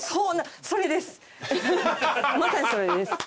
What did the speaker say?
まさにそれです。